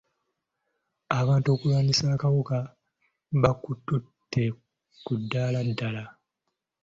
Abantu okulwanisa akawuka bakututte ku ddaala ddala.